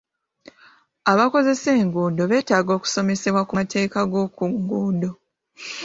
Abakozesa enguudo beetaaga okusomesebwa ku amateeka g'oku nguudo.